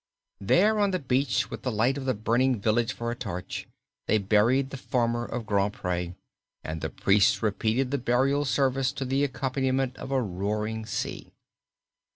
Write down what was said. There on the beach, with the light of the burning village for a torch, they buried the farmer of Grand Pré, and the priest repeated the burial service to the accompaniment of the roaring sea.